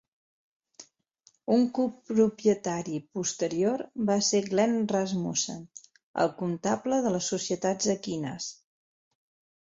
Un copropietari posterior va ser Glenn Rasmussen, el comptable de les societats equines.